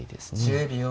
１０秒。